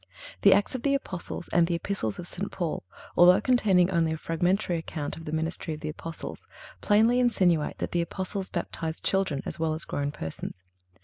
The Acts of the Apostles and the Epistles of St. Paul, although containing only a fragmentary account of the ministry of the Apostles, plainly insinuate that the Apostles baptized children as well as grown persons.